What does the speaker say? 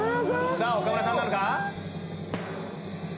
さぁ岡村さんなのか？